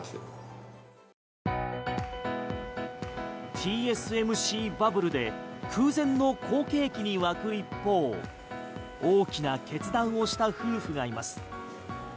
ＴＳＭＣバブルで空前の好景気に沸く一方大きな決断をした夫婦がいます。